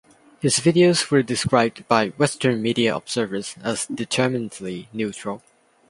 His videos were described by Western media observers as determinedly neutral.